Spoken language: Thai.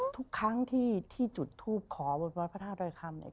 ทุกครั้งที่ที่จุดทูปขอบนวัดพระธาตุดอยคำเนี่ย